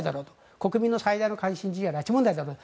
国民の最大の関心事は拉致問題だろうと。